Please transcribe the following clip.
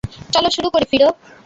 চলো শুরু করি, ফিডো।